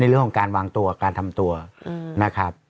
เรื่องของการวางตัวการทำตัวนะครับ